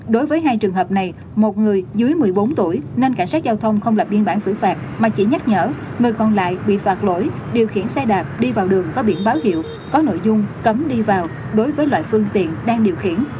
đối với hai trường hợp này một người dưới một mươi bốn tuổi nên cảnh sát giao thông không lập biên bản xử phạt mà chỉ nhắc nhở người còn lại bị phạt lỗi điều khiển xe đạp đi vào đường có biển báo hiệu có nội dung cấm đi vào đối với loại phương tiện đang điều khiển